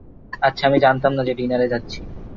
আচ্ছা, আমি জানতাম না যে ডিনারে যাচ্ছি।